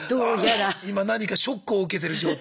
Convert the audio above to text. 今何かショックを受けてる状態？